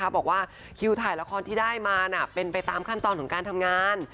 บอกว่าคิวถ่ายละครที่ได้มาเป็นไปตามขั้นตอนของการทำงาน